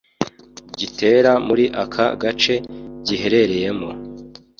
gitera muri aka gace giherereyemo,